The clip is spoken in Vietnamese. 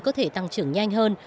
có thể tăng trưởng nhanh hơn